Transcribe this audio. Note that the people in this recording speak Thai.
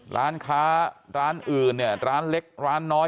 ร้านค้าร้านอื่นเนี่ยร้านเล็กร้านน้อย